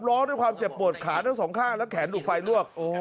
ร้องด้วยความเจ็บปวดขาทั้งสองข้างและแขนถูกไฟลวก